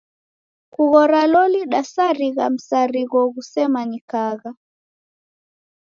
Kughora loli dasarigha msarigho ghusemanyikagha.